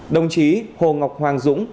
đồng chí hồ ngọc hoàng dũng